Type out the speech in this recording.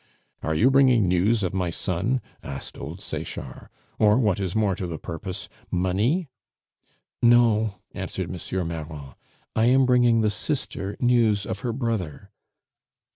"Are you bringing news of my son?" asked old Sechard, "or what is more to the purpose money?" "No," answered M. Marron, "I am bringing the sister news of her brother."